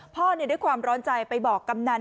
ด้วยความร้อนใจไปบอกกำนัน